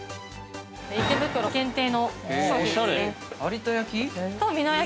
◆池袋限定の商品ですね。